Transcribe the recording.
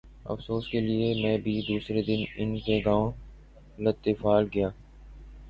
افسوس کیلئے میں بھی دوسرے دن ان کے گاؤں لطیفال گیا۔